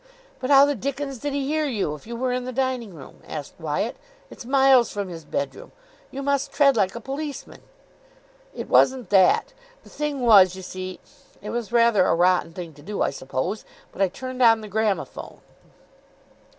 "But how the dickens did he hear you, if you were in the dining room?" asked Wyatt. "It's miles from his bedroom. You must tread like a policeman." "It wasn't that. The thing was, you see, it was rather a rotten thing to do, I suppose, but I turned on the gramophone."